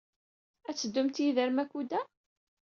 Ad teddumt yid-i ɣer Makuda?